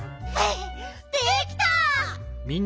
できた！